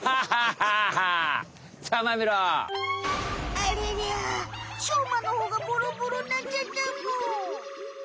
ありゃりゃしょうまのほうがボロボロになっちゃったむ。